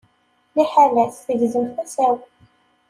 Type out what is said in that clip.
Liḥala-s, tegzem tasa-w.